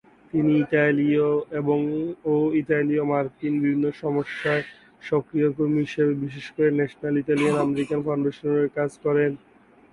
তিনি ইতালীয় ও ইতালীয় মার্কিন বিভিন্ন সমস্যায় সক্রিয় কর্মী হিসেবে, বিশেষ করে ন্যাশনাল ইতালিয়ান আমেরিকান ফাউন্ডেশনের হয়ে, কাজ করেন।